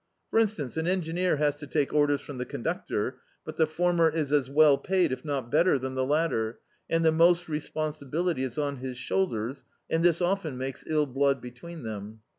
For instance, an engineer has to take orders from the conductor, but the former is as well paid, if not better, than the latter, and the most responsibility is on his shoulders, and this often makes ill blood between them.